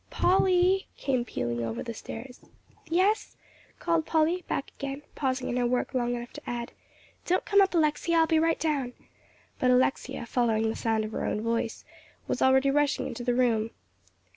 "Polly," came pealing over the stairs. "Yes," called Polly, back again, pausing in her work long enough to add, "don't come up, Alexia, I'll be right down;" but Alexia, following the sound of her own voice, was already rushing into the room.